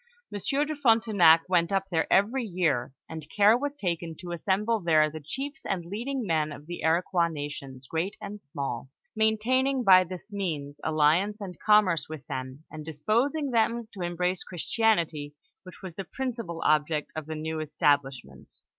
Monsieur de Fron tenac went up there every year, and care was taken to assem ble there the chiefs and leading men of the Iroquois nations, great and small ; maintaining by this means alliance and commerce with them, and disposing them to embrace Christi anity, which was the principal object of the new establish ment.